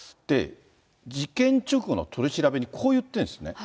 事件直後の取り調べにこう言ってるんですね。